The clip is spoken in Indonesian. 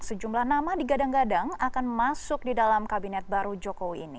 sejumlah nama digadang gadang akan masuk di dalam kabinet baru jokowi ini